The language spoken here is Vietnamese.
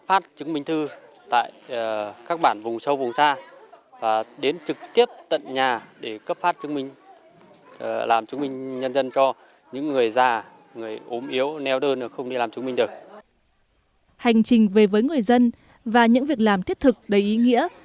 hành trình về với người dân và những việc làm thiết thực đầy ý nghĩa